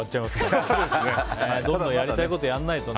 どんどんやりたいことやらないと。